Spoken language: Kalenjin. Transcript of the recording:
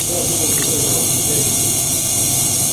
Tagu kole ipoipoiti key missing'